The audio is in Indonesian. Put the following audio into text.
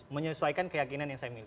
menyesuaikan keyakinan yang saya miliki